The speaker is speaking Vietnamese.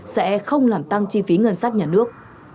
sẽ không làm tăng chi phí ngân sách nhà nước